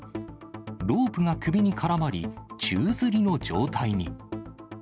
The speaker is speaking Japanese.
ロープが首に絡まり、宙づりの状態に。